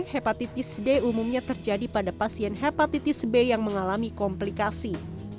hepatitis d umumnya terjadi pada pasien hepatitis b yang mengalami komplikasi